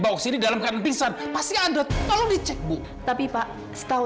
tapi saya sama sekali gak pernah bermaksud begitu